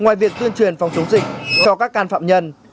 ngoài việc tuyên truyền phòng chống dịch cho các can phạm nhân